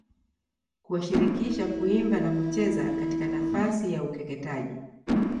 kuwashirikisha kuimba na kucheza katika nafasi ya ukeketaji